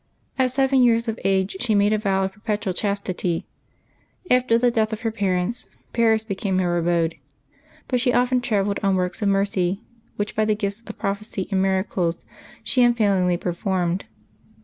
At seven years of age she made a vow of perpetual chas tity. After the death of her parents, Paris became her abode ; but she often travelled on works of mercy, which, by the gifts of prophecy and miracles, she unfailingly per formed.